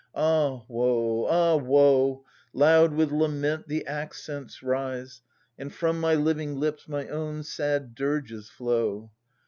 Ah woe, ah woe ! Loud with lament the accents rise. And from my living lips my own sad dirges flow